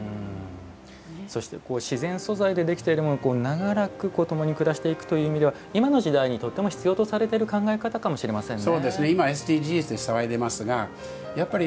そして自然素材でできているものと長らく共に暮らしていくということは今の時代にとても必要とされている考え方かもしれませんね。